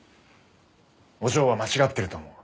お嬢は間違ってると思う。